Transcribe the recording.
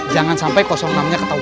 jangan sampai kosong namanya ketahuan